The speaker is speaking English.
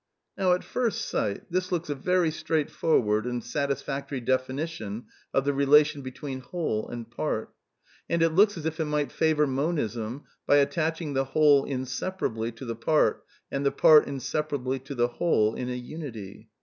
Now at first sight this looks a very straightforward and satisfactory definition of the relation hetween whole and part And it looks as if it might favour Monism by at taching the whole inseparably to the part and the part in separably to the whole in a '^ unity."